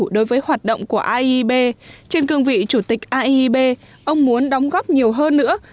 đối với hoạt động của aieb trên cương vị chủ tịch aieb ông muốn đóng góp nhiều hơn nữa